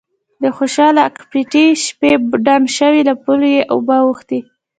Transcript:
د خوشال اکا پټی شپې ډنډ شوی له پولو یې اوبه اوختي.